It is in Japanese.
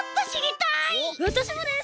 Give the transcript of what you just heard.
わたしもです！